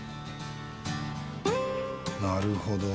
なるほど。